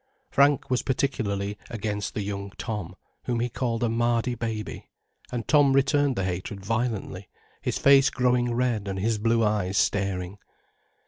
Frank was particularly against the young Tom, whom he called a mardy baby, and Tom returned the hatred violently, his face growing red and his blue eyes staring.